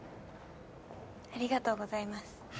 ありがとうございます。